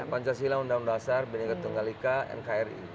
pancasila undang undang dasar bni ketengah lika nkri